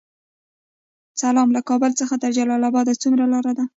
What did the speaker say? سلام، له کابل څخه تر جلال اباد څومره لاره ده؟